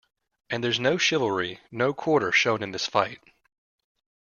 And there's no chivalry, no quarter shown in this fight.